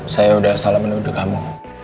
saya udah salah menuduh kamu